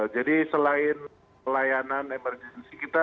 jadi selain pelayanan emergensi